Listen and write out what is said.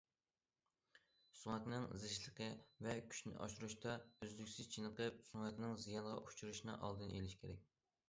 سۆڭەكنىڭ زىچلىقى ۋە كۈچىنى ئاشۇرۇشتا ئۈزلۈكسىز چېنىقىپ، سۆڭەكنىڭ زىيانغا ئۇچرىشىنىڭ ئالدىنى ئېلىش كېرەك.